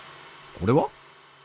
これは？